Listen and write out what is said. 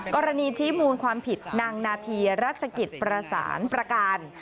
กรณีชี้มูลความผิดนางนาธีรัชกิจประสานประการ